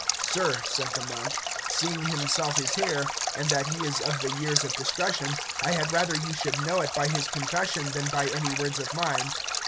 Sir, said the monk, seeing himself is here, and that he is of the years of discretion, I had rather you should know it by his confession than by any words of mine.